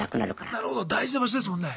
なるほど大事な場所ですもんね。